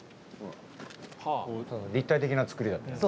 立体的な造りだったよね。